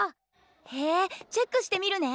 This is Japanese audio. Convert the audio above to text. へえチェックしてみるね。